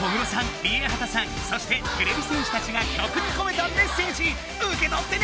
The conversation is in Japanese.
ＲＩＥＨＡＴＡさんそしててれび戦士たちが曲にこめたメッセージうけとってね！